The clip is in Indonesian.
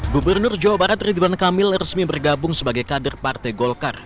gubernur jawa barat ridwan kamil resmi bergabung sebagai kader partai golkar